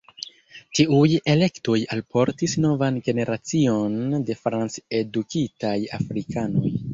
Tiuj elektoj alportis novan generacion de franc-edukitaj afrikanoj.